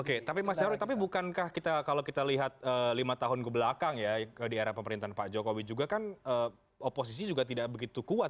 oke tapi mas nyarwi tapi bukankah kita kalau kita lihat lima tahun kebelakang ya di era pemerintahan pak jokowi juga kan oposisi juga tidak begitu kuat